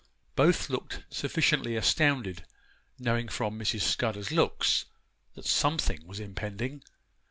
Both looked sufficiently astounded, knowing from Mrs. Scudder's looks that something was impending.